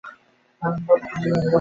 হারানবাবু কহিলেন, বসো।